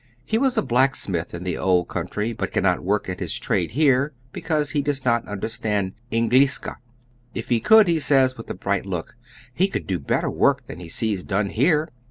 He was a blacksmith in the old coun try, but cannot work at Iiia trade here beeanse he does not understand " Engliska." If he could, he says, witii a bright look, he could do better work than he sees done here.